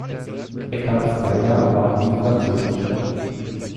Eckartsweiler war nun französisch.